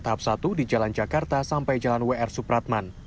tahap satu di jalan jakarta sampai jalan wr supratman